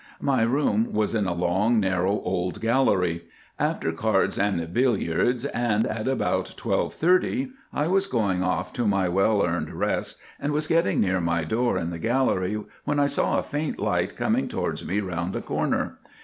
My room was in a long, narrow, old gallery. After cards and billiards, and at about 12.30, I was going off to my well earned rest, and was getting near my door in the gallery, when I saw a faint light coming towards me round a corner.